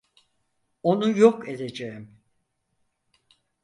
Onu yok edeceğim!